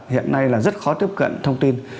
hiện nay là rất khó tiếp cận thông tin